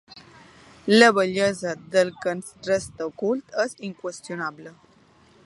La bellesa del que ens resta ocult és inqüestionable.